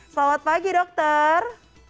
selamat pagi dokter